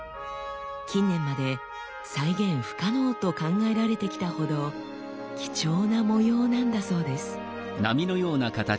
近年まで再現不可能と考えられてきたほど貴重な模様なんだそうです。